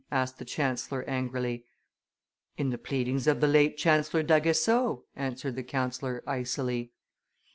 asked the chancellor, angrily. "In the pleadings of the late Chancellor d'Aguesseau," answered the councillor, icily.